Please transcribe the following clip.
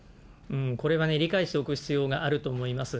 これがね、理解しておく必要があると思います。